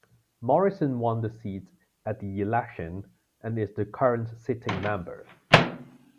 Morrison won the seat at the election and is the current sitting member.